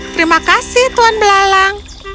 terima kasih tuan belalang